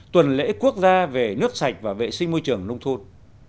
tuần lễ quốc gia về nước sạch và vệ sinh môi trường nông thôn